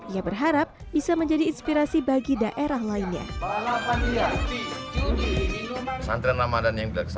ia berharap bisa menjadi inspirasi bagi daerah lainnya